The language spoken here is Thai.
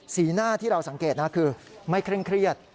สีหน้าที่เราสังเกตนะคือไม่เคร่งเครียด